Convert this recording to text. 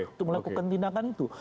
untuk melakukan tindakan itu